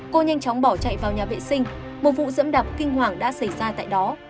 cô nhanh chóng bỏ chạy vào nhà vệ sinh một vụ dẫm đạp kinh hoàng đã xảy ra tại đó